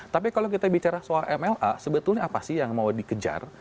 tapi kalau kita bicara soal mla sebetulnya apa sih yang mau dikejar